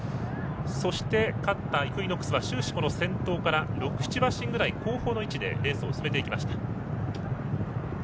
そして、勝ったイクイノックスは終始先頭から６７馬身ぐらい後方の位置でレースを進めていきました。